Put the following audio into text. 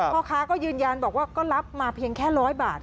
พ่อค้าก็ยืนยันบอกว่าก็รับมาเพียงแค่๑๐๐บาท